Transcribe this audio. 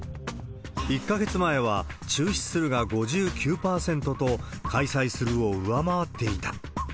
１か月前は、中止するが５９％と、開催するを上回っていた。